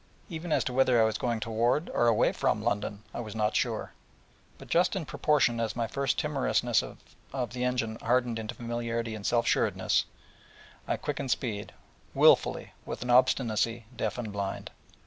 Even as to whether I was going toward, or away from, London, I was not sure. But just in proportion as my first timorousness of the engine hardened into familiarity and self sureness, I quickened speed, wilfully, with an obstinacy deaf and blind.